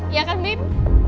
iya kan mimp